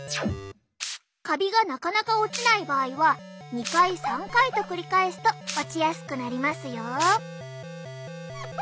カビがなかなか落ちない場合は２回３回と繰り返すと落ちやすくなりますよ。